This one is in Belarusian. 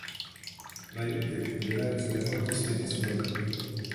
Праекты адбіраюцца на конкурснай аснове.